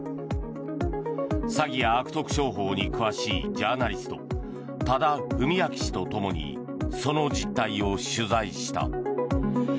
詐欺や悪徳商法に詳しいジャーナリスト多田文明氏と共にその実態を取材した。